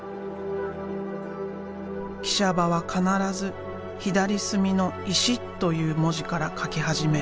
喜舎場は必ず左隅の「石」という文字から書き始める。